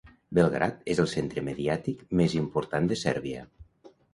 Belgrad és el centre mediàtic més important de Sèrbia.